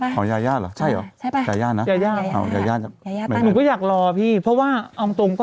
น้องยาย่าไปใช่ไหมยาย่านะหนูก็อยากรอพี่เพราะว่าเอามาตรงก็